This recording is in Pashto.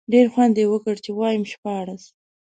ډېر خوند یې وکړ، چې وایم شپاړس.